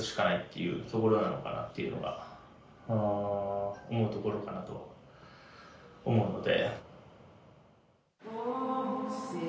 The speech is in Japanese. いうところなのかなっていうのが思うところかなとは思うので。